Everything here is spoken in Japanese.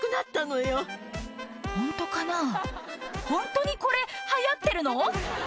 ホントにこれ流行ってるの？